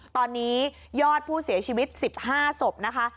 ตอนนี้ยอดผู้เสียชีวิต๑๕ศพนะคะ